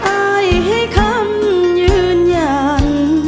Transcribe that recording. อายให้คำยืนยัน